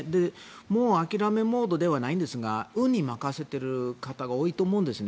もう諦めモードではないんですが運に任せている方が多いと思うんですね。